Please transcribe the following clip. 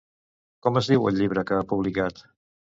Com es diu el llibre que ha publicat?